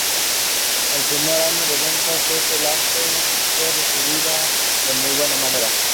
El primer año de ventas del Aspen fue recibida de muy buena manera.